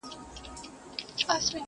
پلار نیکه مي دا تخمونه دي کرلي!.